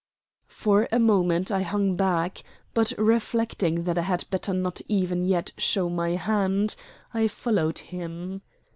For a moment I hung back, but, reflecting that I had better not even yet show my hand, I followed him.